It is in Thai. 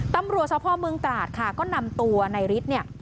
ตำรัวทราบพ่อเมืองตลาดค่ะก็นำตัวในฤทธิ์เนี้ย